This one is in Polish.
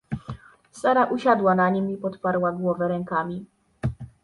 Sara usiadła na nim i podparła głowę rękami.